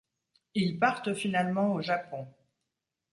Ils partent finalement au Japon...